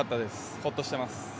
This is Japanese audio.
ホッとしてます。